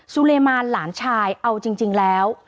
สุเลมานหลานชายเอาจริงแล้ว